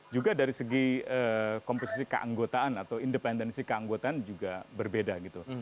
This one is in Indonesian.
juga dari segi komposisi keanggotaan atau independensi keanggotaan juga berbeda gitu